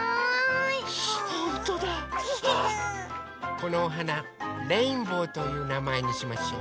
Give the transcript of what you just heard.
このおはなレインボーというなまえにしましょう。